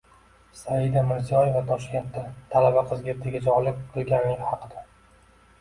Saida Mirziyoyeva Toshkentda talaba qizga tegajog‘lik qilingani haqida